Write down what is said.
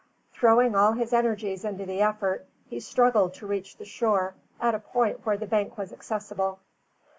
Throwing all his energies into the effort, he struggled to reach the shore at a point where the bank was accessible.